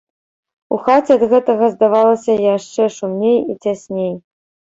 У хаце ад гэтага здавалася яшчэ шумней і цясней.